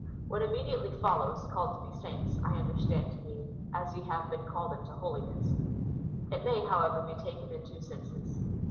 Wliat immediately follows — called to he saints — I under stand to mean : As ye have been called unto holiness/ It may, however, be taken in two senses.